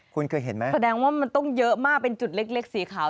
คุณเคยเห็นไหมแสดงว่ามันต้องเยอะมากเป็นจุดเล็กสีขาว